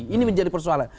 ini menjadi persoalan